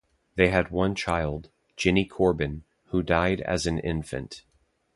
They had one child, Jennie Corbin, who died as an infant.